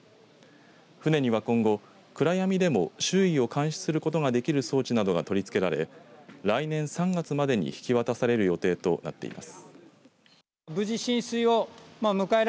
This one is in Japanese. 船には今後、暗闇でも周囲を監視することができる装置などが取り付けられ来年３月までに引き渡される予定となっています。